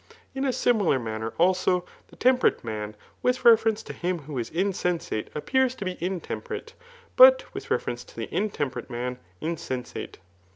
In a similar man aer, ako, the temperate man with reference to him who is insensate appears to be intemperate, but with reference to the intemperate man, insensate.